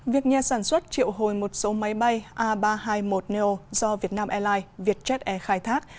việc nhà sản xuất triệu hồi một số máy bay a ba trăm hai mươi một neo do vietnam airlines vietjet air khai thác